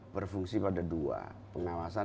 berfungsi pada dua pengawasan